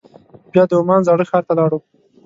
بیا د عمان زاړه ښار ته لاړو.